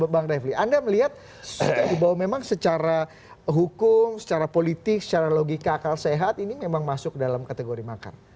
bang refli anda melihat bahwa memang secara hukum secara politik secara logika akal sehat ini memang masuk dalam kategori makar